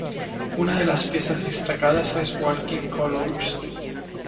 Una de las piezas destacadas es Walking Colours.